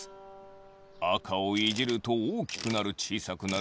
あかをいじるとおおきくなるちいさくなる。